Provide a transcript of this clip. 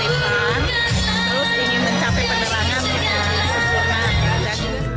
terus ingin mencapai penerangan dengan sempurna